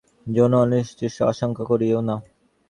ঈশ্বর সাক্ষী, আমা হইতে তুমি কোনো অনিষ্ট আশঙ্কা করিয়ো না।